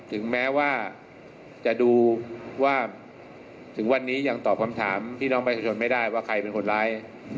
ถึงแม้ว่าจะดูว่าถึงวันนี้ยังตอบคำถามพี่น้องประชาชนไม่ได้ว่าใครเป็นคนร้าย